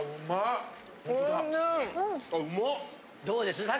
どうです？